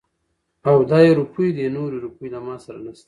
او دا يې روپۍ دي. نورې روپۍ له ما سره نشته.